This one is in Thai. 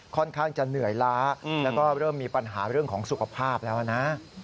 ค่อนข้างจะเหนื่อยล้าแล้วก็เริ่มมีปัญหาเรื่องของสุขภาพแล้วนะ